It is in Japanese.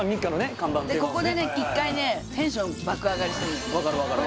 看板のここでね１回ねテンション爆上がりするのよ